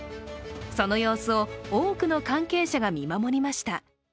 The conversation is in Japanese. その様子を多くの関係者が見守りました。